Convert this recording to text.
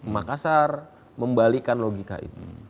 makassar membalikan logika itu